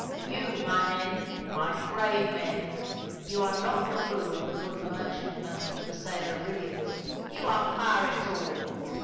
You, my men, my brave men, you are not the crew of the good merchantman, the Sarah Williams, you are pirates all.